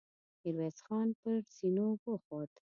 ميرويس خان پر زينو وخوت.